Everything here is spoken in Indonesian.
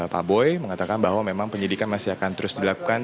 pak boy mengatakan bahwa memang penyidikan masih akan terus dilakukan